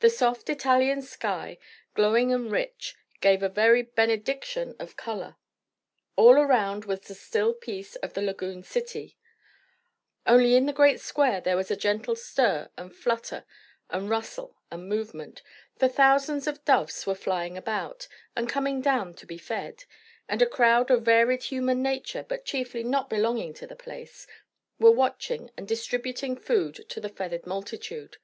The soft Italian sky, glowing and rich, gave a very benediction of colour; all around was the still peace of the lagoon city; only in the great square there was a gentle stir and flutter and rustle and movement; for thousands of doves were flying about, and coming down to be fed, and a crowd of varied human nature, but chiefly not belonging to the place, were watching and distributing food to the feathered multitude.